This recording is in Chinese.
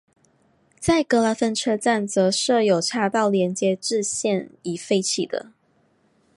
在格拉芬车站则设有岔道连接至现已废弃的。